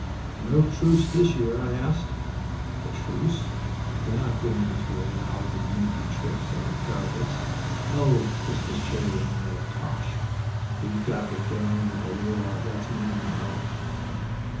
"No truce this year?" I asked. "A truce?... We're not going to allow any monkey tricks on the parapets. To hell with Christmas charity and all that tosh. We've got to get on with the war. That's my motto."